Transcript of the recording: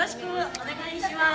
お願いします。